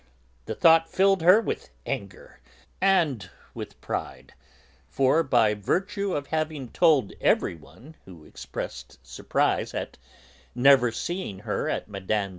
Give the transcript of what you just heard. The thought filled her with anger and with pride; for, by virtue of having told everyone who expressed surprise at never seeing her at Mme.